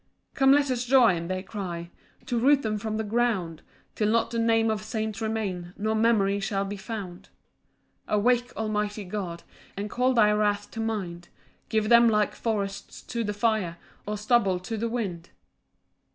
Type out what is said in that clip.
5 "Come, let us join," they cry, "To root them from the ground, "Till not the name of saints remain, "Nor memory shall be found." 6 Awake, almighty God, And call thy wrath to mind; Give them like forests to the fire, Or stubble to the wind.